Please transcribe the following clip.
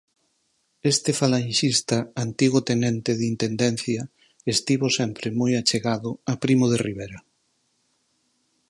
Este falanxista antigo tenente de Intendencia estivo sempre moi achegado a Primo de Rivera.